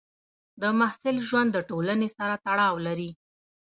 د محصل ژوند د ټولنې سره تړاو لري.